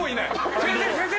先生先生！